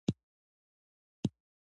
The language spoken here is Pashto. افغانستان د لوگر د ساتنې لپاره قوانین لري.